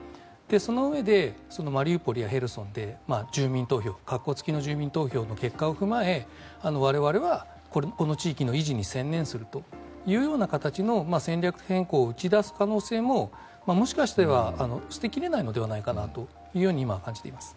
そのうえでマリウポリやヘルソンで括弧付きの住民投票の結果を踏まえ我々はこの地域の維持に専念するという形の戦略変更を打ち出す可能性ももしかしたら捨て切れないのではないかなと今、感じています。